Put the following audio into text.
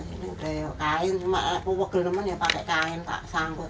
ini udah kain cuma pukul pukulnya pakai kain tak sanggup